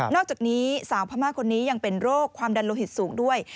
อกจากนี้สาวพม่าคนนี้ยังเป็นโรคความดันโลหิตสูงด้วย